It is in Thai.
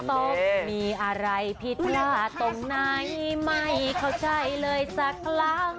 ต้องมีอะไรผิดพลาดตรงไหนไม่เข้าใจเลยสักครั้ง